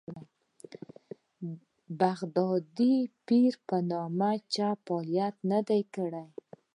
بغدادي پیر په نوم چا فعالیت نه دی کړی.